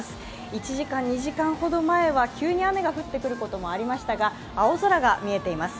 １時間、２時間ほど前は急に雨が降ってくることもありましたが青空が見えています。